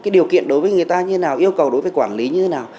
điều kiện đối với người ta như thế nào yêu cầu đối với quản lý như thế nào